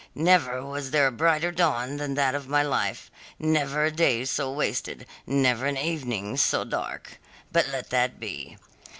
Never was there a brighter dawn than that of my life; never a day so wasted; never an evening so dark. But let that be.